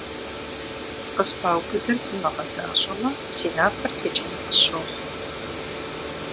Къыспаубыдыр сымыгъэзащӀэмэ, си напэр текӀыну къысщохъу.